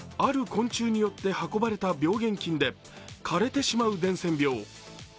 昆虫によって運ばれた病原菌で枯れてしまう伝染病。